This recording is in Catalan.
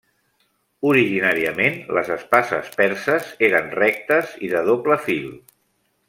Originàriament, les espases perses eren rectes i de doble fil.